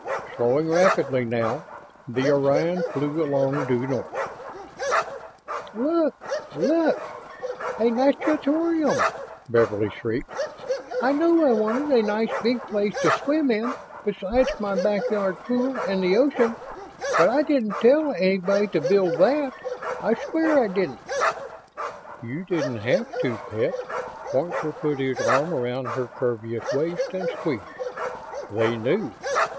Slowing rapidly now, the Orion flew along due north. "Look! Look! A natatorium!" Beverly shrieked. "I know I wanted a nice big place to swim in, besides my backyard pool and the ocean, but I didn't tell anybody to build that I swear I didn't!" "You didn't have to, pet." Poynter put his arm around her curvaceous waist and squeezed. "They knew.